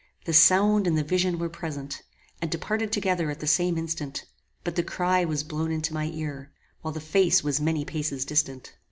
The sound and the vision were present, and departed together at the same instant; but the cry was blown into my ear, while the face was many paces distant.